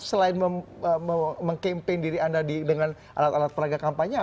selain mengkampen diri anda dengan alat alat peraga kampanye